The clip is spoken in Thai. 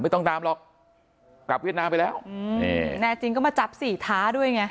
ต้องตามหรอกกลับเวียดนามไปแล้วอืมนี่แน่จริงก็มาจับสี่ท้าด้วยไง